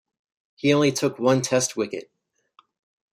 He only took one Test wicket.